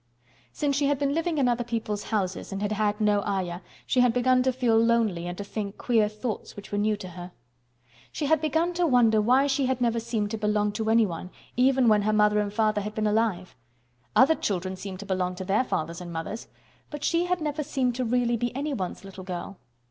Since she had been living in other people's houses and had had no Ayah, she had begun to feel lonely and to think queer thoughts which were new to her. She had begun to wonder why she had never seemed to belong to anyone even when her father and mother had been alive. Other children seemed to belong to their fathers and mothers, but she had never seemed to really be anyone's little girl.